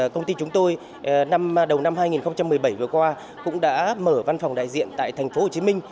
công ty chúng tôi đầu năm hai nghìn một mươi bảy vừa qua cũng đã mở văn phòng đại diện tại tp hcm